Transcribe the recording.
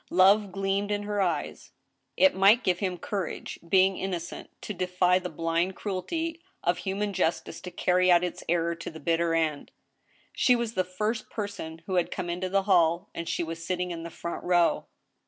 Love gleamed in her eyes. It might give him courage, being innocent, to defy the blind cruelty of human justice to carry out its error to the bitter end! She was the first person who had come into the hall, and she was sitting in the front row.